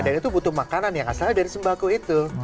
dan itu butuh makanan yang asal dari sembako itu